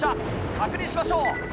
確認しましょう。